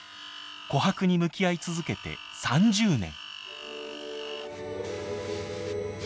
琥珀に向き合い続けて３０年。